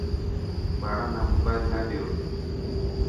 ٻاڙا نا موبائل نه ڏيو.